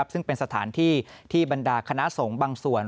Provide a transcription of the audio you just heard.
ซึ่งเป็นสถานที่ที่บรรดาคณะสงฆ์บางส่วน